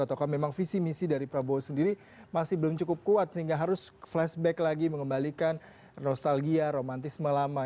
atau memang visi misi dari prabowo sendiri masih belum cukup kuat sehingga harus flashback lagi mengembalikan nostalgia romantisme lama